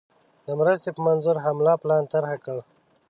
د مرستي په منظور حمله پلان طرح کړ.